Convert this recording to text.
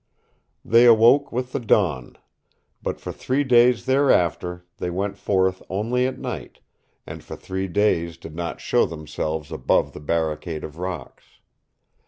They awoke with the dawn. But for three days thereafter they went forth only at night, and for three days did not show themselves above the barricade of rocks.